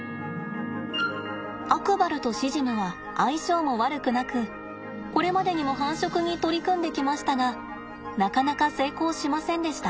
アクバルとシジムは相性も悪くなくこれまでにも繁殖に取り組んできましたがなかなか成功しませんでした。